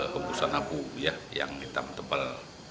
dan dikumpulkan dengan hembusan abu yang hitam tebal